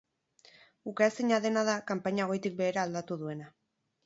Ukaezina dena da kanpaina goitik behera aldatu duena.